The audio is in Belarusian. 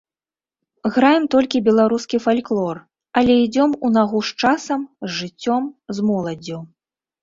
Граем толькі беларускі фальклор, але ідзём у нагу з часам, з жыццём, з моладдзю.